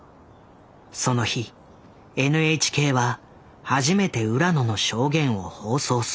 その日ＮＨＫは初めて浦野の証言を放送する。